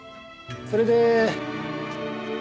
それで。